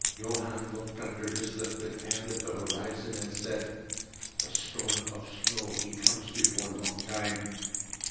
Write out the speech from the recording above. Johann looked under his lifted hand at the horizon and said: "The storm of snow, he comes before long time."